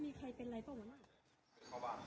ที่ใส่บ้านคนผ่านไปน่ะ